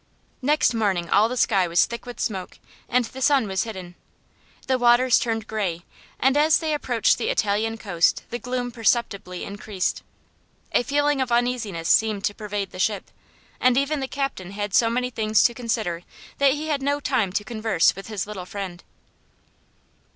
Next morning all the sky was thick with smoke, and the sun was hidden. The waters turned gray, too, and as they approached the Italian coast the gloom perceptibly increased. A feeling of uneasiness seemed to pervade the ship, and even the captain had so many things to consider that he had no time to converse with his little friend.